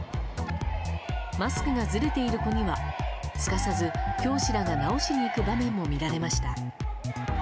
マスクがずれている子にはすかさず教師らが直しにいく場面も見られました。